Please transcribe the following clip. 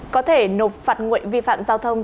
có thể nộp phạt nguội vi phạm giao thông